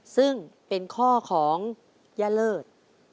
ซึ่งเป็นข้อของย่าเลิศ